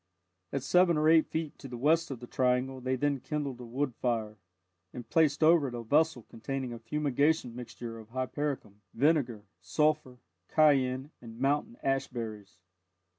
At seven or eight feet to the west of the triangle they then kindled a wood fire, and placed over it a vessel containing a fumigation mixture of hypericum, vinegar, sulphur, cayenne, and mountain ash berries.